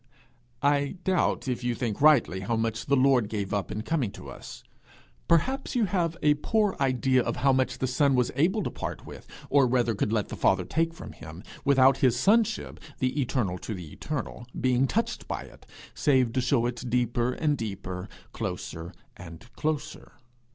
I doubt if you think rightly how much the Lord gave up in coming to us. Perhaps you have a poor idea of how much the Son was able to part with, or rather could let the Father take from him, without his sonship, the eternal to the eternal, being touched by it, save to show it deeper and deeper, closer and closer.